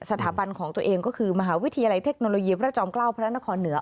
สถาบันของตัวเองก็คือมหาวิทยาลัยเทคโนโลยีพระจอมเกล้าพระนครเหนือ